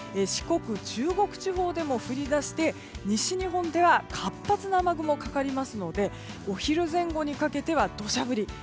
四国・中国地方でも降り出して西日本では活発な雨雲がかかりますのでお昼前後にかけては土砂降り。